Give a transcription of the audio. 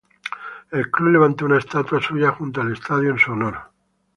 El club levantó una estatua suya junto al estadio en su honor.